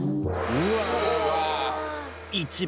うわ。